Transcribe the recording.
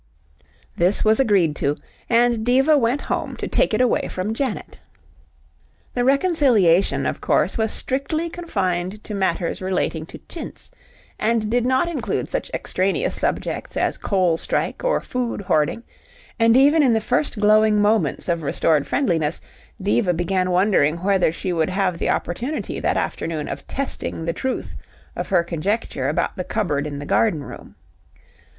This was agreed to, and Diva went home to take it away from Janet. The reconciliation of course was strictly confined to matters relating to chintz and did not include such extraneous subjects as coal strike or food hoarding, and even in the first glowing moments of restored friendliness, Diva began wondering whether she would have the opportunity that afternoon of testing the truth of her conjecture about the cupboard in the garden room.